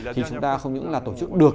thì chúng ta không những là tổ chức được